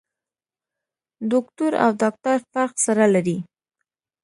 دوکتور او ډاکټر فرق سره لري.